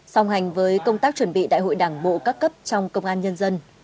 song hành với công tác chuẩn bị đại hội đảng bộ các cấp trong công an nhân dân